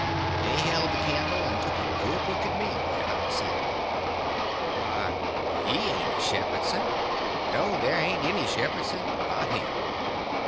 They held the candle, and took a good look at me, and all said, "Why, he ain't a Shepherdson—no, there ain't any Shepherdson about him."